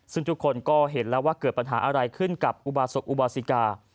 ซึ่งทุกคนก็เห็นแล้วว่าเกิดปัญหาอะไรขึ้นกับอุบาสกอุบาสิกา